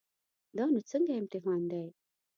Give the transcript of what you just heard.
دا نو څنګه امتحان دی.